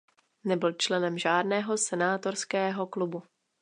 Nebyl členem žádného senátorského klubu.